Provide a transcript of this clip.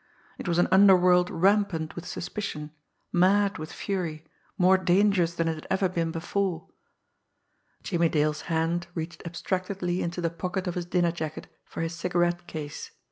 It was an underworld rampant with suspicion, mad with fury, more dangerous than it had ever been before. Jimmie Dale's hand reached abstractedly into the pocket of his dinner jacket for his cigarette case.